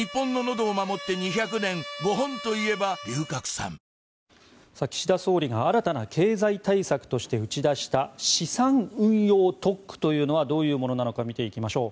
缶コーヒーの「ＢＯＳＳ」岸田総理が新たな経済対策として打ち出した資産運用特区というのはどういうものなのか見ていきましょう。